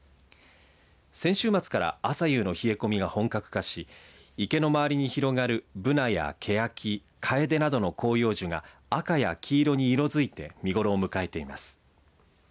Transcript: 先週末から朝夕の冷え込みが本格化し池の周りに広がるぶなや、けやきかえでなどの広葉樹が赤や黄色に色づいて見頃を迎えています。